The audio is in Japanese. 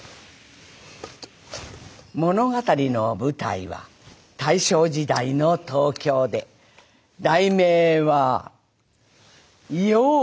物語の舞台は大正時代の東京で題名は『妖婆』。